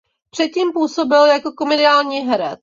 Předtím působil jako komediální herec.